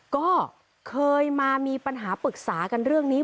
ก็เคยมามีปัญหาปรึกษากันเรื่องนี้